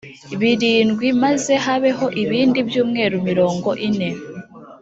birindwi maze habeho ibindi byumweru mirongo ine